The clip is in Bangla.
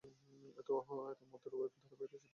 এর মত ওয়েব ধারাবাহিকের চিত্রনাট্য লিখেছেন।